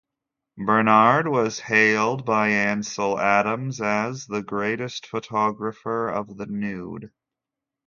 Bernhard was hailed by Ansel Adams as "the greatest photographer of the nude".